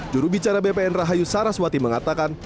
jurubicara bpn rahayu saraswati mengatakan